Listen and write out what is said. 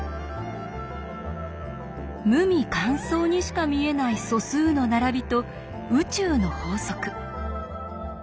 無味乾燥にしか見えない素数の並びと宇宙の法則。